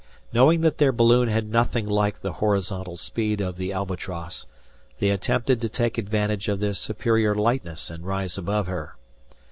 Knowing that their balloon had nothing like the horizontal speed of the "Albatross," they attempted to take advantage of their superior lightness and rise above her.